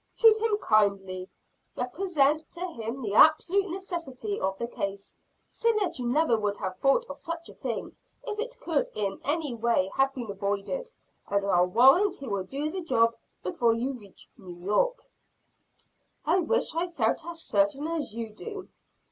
Treat him kindly, represent to him the absolute necessity of the case, say that you never would have thought of such a thing if it could in any way have been avoided, and I'll warrant he will do the job before you reach New York." "I wish I felt as certain as you do."